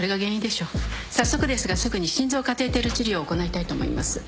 早速ですがすぐに心臓カテーテル治療を行いたいと思います。